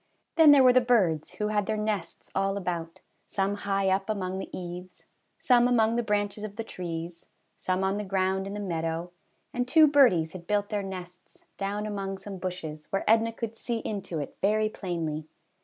Then there were the birds, who had their nests all about, some high up among the eaves, some among the branches of the trees, some on the ground in the meadow; and two birdies had built their nests down among some bushes, where Edna could see into it very plainly.